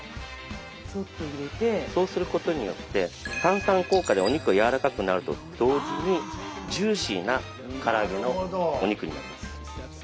そうすることによって炭酸効果でお肉がやわらかくなると同時にジューシーなから揚げのお肉になります。